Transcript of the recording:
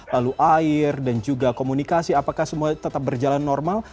lalu air dan juga komunikasi apakah semua tetap berjalan normal